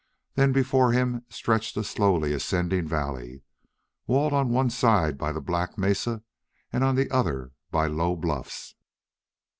Then before him stretched a slowly ascending valley, walled on one side by the black mesa and on the other by low bluffs.